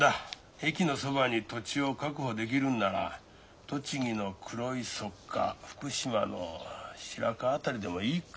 駅のそばに土地を確保できるんなら栃木の黒磯か福島の白河辺りでもいいか。